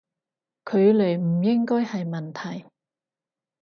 距離唔應該係問題